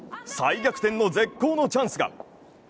再逆転の絶好のチャンスが。